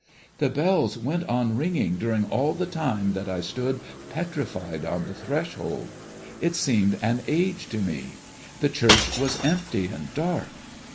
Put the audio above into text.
The bells went on ringing during all the time that I stood petrified on the threshold. It seemed an age to me! The church was empty and dark.